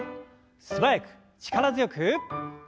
素早く力強く。